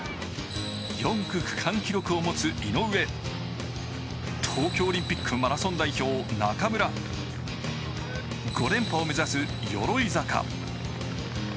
４区区間記録を持つ井上、東京オリンピックマラソン代表・中村、５連覇を目指す鎧坂。